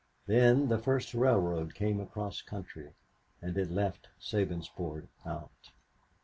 Then the first railroad came across country, and it left Sabinsport out.